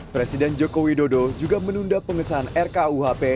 presiden joko widodo juga menunda pengesahan rkuhp